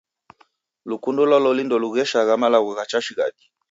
Lukundo lwa loli ndolugheshagha malagho gha cha shighadi.